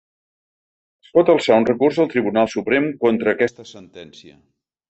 Es pot alçar un recurs al Tribunal Suprem contra aquesta sentència.